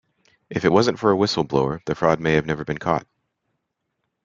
If it wasn't for a whistle blower, the fraud may have never been caught.